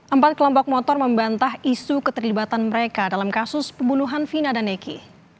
empat kelompok motor membantah isu keterlibatan mereka dalam kasus pembunuhan vina dan neki